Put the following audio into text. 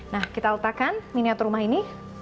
nah kita letakkan miniatur rumah ini